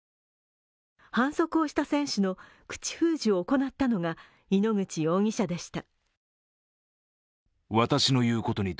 反則をした選手の口封じを行ったのが井ノ口容疑者でした。